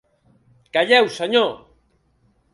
Calleu, senyor!